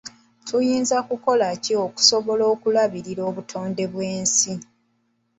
Tuyinza kukola ki okusobola okulabirira obutonde bw'ensi?